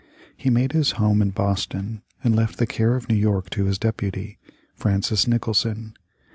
He made his home in Boston, and left the care of New York to his deputy, Francis Nicholson.